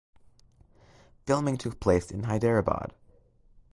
Filming took place in Hyderabad.